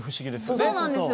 そうなんですよ。